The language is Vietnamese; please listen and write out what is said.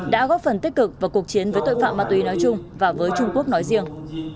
đã góp phần tích cực vào cuộc chiến với tội phạm ma túy nói chung và với trung quốc nói riêng